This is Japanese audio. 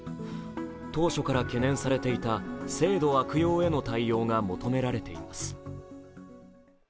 当初から懸念されていた制度悪用への対応が求められています。